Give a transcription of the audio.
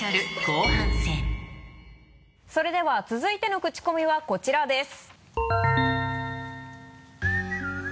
後半戦それでは続いてのクチコミはこちらです。